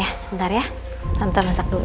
ya sebentar ya nanti aku masak dulu